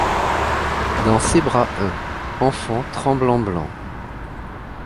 Dans ses bras un. enfant tremblant blanc.